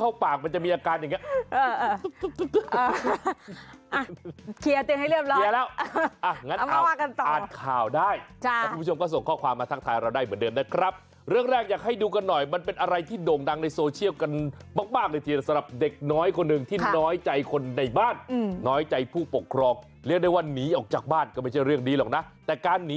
รับคริสมัตรทำไมมันหนาวขายยังไงก็ไม่รู้เนอะ